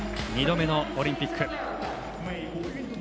２度目のオリンピック。